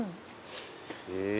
へえ。